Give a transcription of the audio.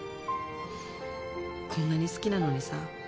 こんなに好きなのにさ。